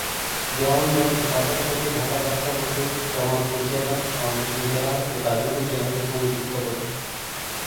দেওয়ানগঞ্জ বাজার থেকে ঢাকা যাত্রাপথে জামালপুর জেলা, ময়মনসিংহ জেলা ও গাজীপুর জেলাকে সংযুক্ত করে।